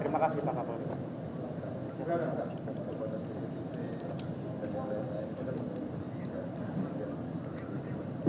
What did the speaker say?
terima kasih pak kapol